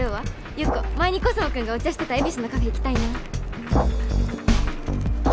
ゆっこ前にコスモくんがお茶してた恵比寿のカフェ行きたいな